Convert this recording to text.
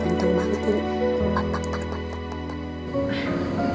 untung banget ini